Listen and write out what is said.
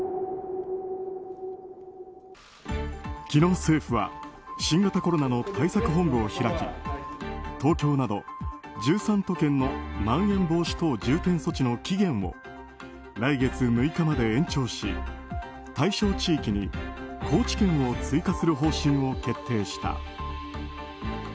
昨日、政府は新型コロナの対策本部を開き東京など１３都県のまん延防止等重点措置の期限を来月６日まで延長し対象地域に高知県を追加する方針を決定した。